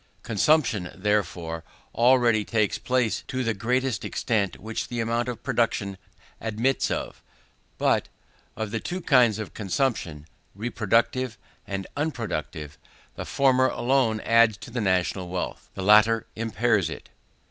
Consumption, therefore, already takes place to the greatest extent which the amount of production admits of; but, of the two kinds of consumption, reproductive and unproductive, the former alone adds to the national wealth, the latter impairs it.